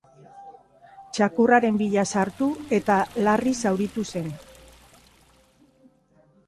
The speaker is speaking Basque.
Txakurraren bila sartu eta larri zauritu zen.